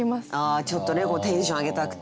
ちょっとねテンション上げたくて。